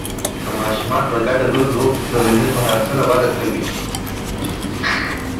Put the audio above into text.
که ماشومان په ګډه لوبې وکړي، ټولنیز مهارتونه وده کوي.